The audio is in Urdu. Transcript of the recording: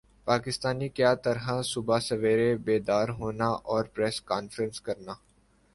پاکستانی کَیا طرح صبح سویرے بیدار ہونا اور پریس کانفرنس کرنا